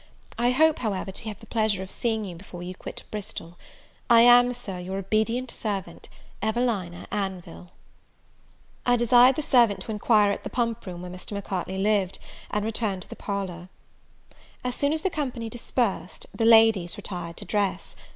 I hope, however, to have the pleasure of seeing you before you quit Bristol. I am, Sir, your obedient servant, "EVELINA ANVILLE." I desired the servant to enquire at the pump room where Mr. Macartney lived, and returned to the parlour. As soon as the company dispersed, the ladies retired to dress.